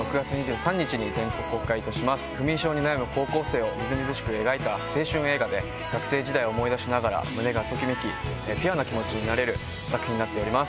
不眠症に悩む高校生をみずみずしく描いた青春映画で学生時代を思い出しながら胸がときめきピュアな気持ちになれる作品になっております。